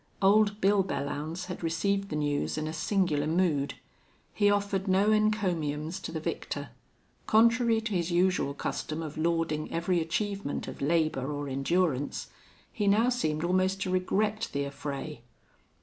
Old Bill Belllounds had received the news in a singular mood; he offered no encomiums to the victor; contrary to his usual custom of lauding every achievement of labor or endurance, he now seemed almost to regret the affray.